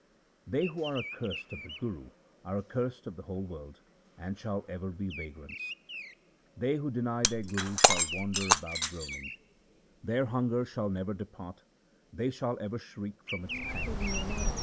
They who are accursed of the Guru are accursed of the whole world, and shall ever be vagrants. They who deny their Guru shall wander about groaning. Their hunger shall never depart ; they shall ever shriek from its pangs.